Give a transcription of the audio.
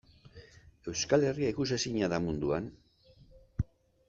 Euskal Herria ikusezina da munduan?